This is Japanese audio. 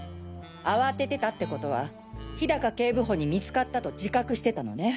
慌ててたってことは氷高警部補に見つかったと自覚してたのね？